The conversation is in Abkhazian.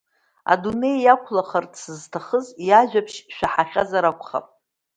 Адунеи иақәлахарц зҭахыз иажәабжь шәаҳахьазар акәхап!